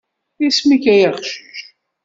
Isem-ik ay aqcic.